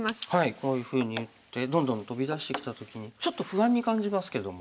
こういうふうに打ってどんどんトビ出してきた時にちょっと不安に感じますけども。